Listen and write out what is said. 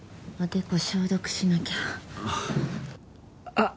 あっ！